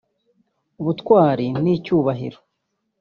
ubutwari n’icyubahiro